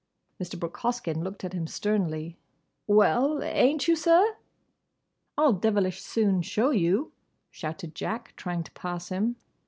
Mr. Brooke Hoskyn looked at him sternly. "Well—ain't you, sir?" "I'll devilish soon show you!" shouted Jack, trying to pass him.